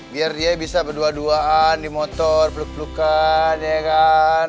biar dia bisa berdua duaan di motor peluk pelukan